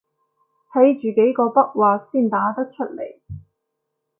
睇住幾個筆劃先打得出來